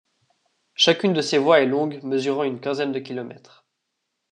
Chacune de ses voies est longue, mesurant une quinzaine de kilomètres.